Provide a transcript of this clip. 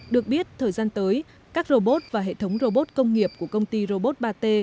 được biết thời gian tới các robot và hệ thống robot công nghiệp của công ty robot ba t